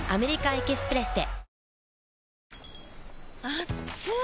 あっつい！